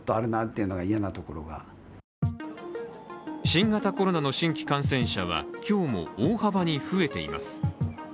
新型コロナの新規感染者は今日も大幅に増えています。